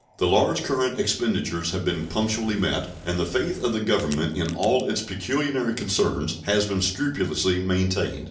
The large current expenditures have been punctually met, and the faith of the Government in all its pecuniary concerns has been scrupulously maintained.